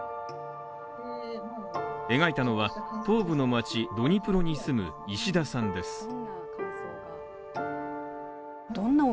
描いたのは、東部の町ドニプロに住む石田さんです。